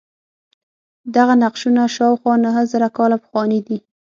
دغه نقشونه شاوخوا نهه زره کاله پخواني دي.